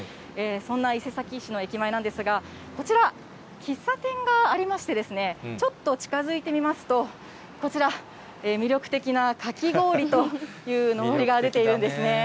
そんな伊勢崎市の駅前なんですが、こちら、喫茶店がありまして、ちょっと近づいてみますと、こちら、魅力的なかき氷というのぼりが出ているんですね。